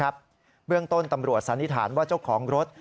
เบื้องต้นตำรวจสันนิษฐานว่าเจ้าของรถ